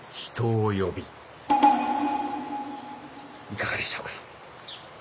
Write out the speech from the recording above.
いかがでしょうか？